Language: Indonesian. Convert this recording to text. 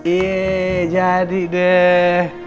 yeay jadi deh